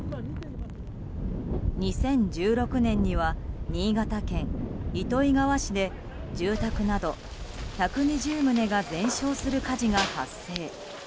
２０１６年には新潟県糸魚川市で住宅など１２０棟が全焼する火事が発生。